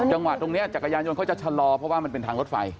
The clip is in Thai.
จังหวะตรงนี้จักรยานยนต์เขาจะชะลอเพราะว่ามันเป็นทางรถไฟ